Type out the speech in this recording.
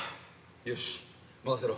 よし任せろ。